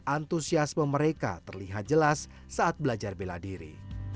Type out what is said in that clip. antusiasme mereka terlihat jelas saat belajar bela diri